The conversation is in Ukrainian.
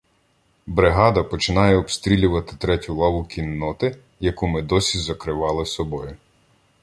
Бригада починає обстрілювати третю лаву кінноти, яку ми досі закривали собою.